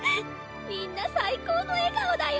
みんな最高の笑顔だよ。